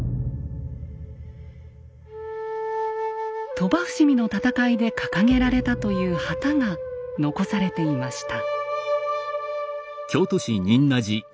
鳥羽伏見の戦いで掲げられたという旗が残されていました。